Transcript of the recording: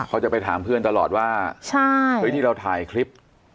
เขาจะไปถามเพื่อนตลอดว่าที่เราถ่ายคลิป